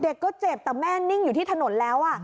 เด็กก็เจ็บแต่แม่นิ่งอยู่ที่ถนนแล้ว